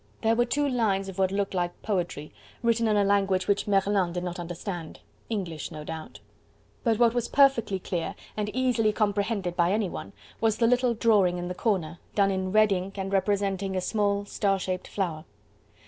There were two lines of what looked like poetry, written in a language which Merlin did not understand. English, no doubt. But what was perfectly clear, and easily comprehended by any one, was the little drawing in the corner, done in red ink and representing a small star shaped flower.